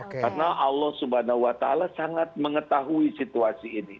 karena allah swt sangat mengetahui situasi ini